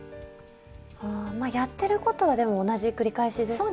あやってることはでも同じ繰り返しですね。